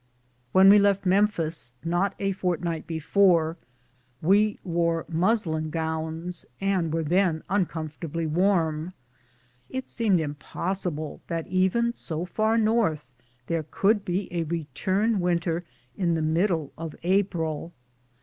When we left Memphis, not a fortnight before, we wore muslin gowns and were then uncomfortably warm ; it seemed impossible that even so far north there could be a returned winter in the middle of April.